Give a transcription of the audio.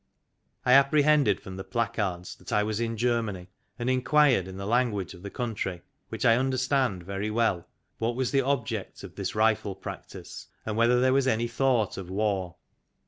I apprehended from the placards that I was in Germany, and inquired in the language of the country, which I understand very well, what was the object of this rifle practice, and whether there was any thought of war.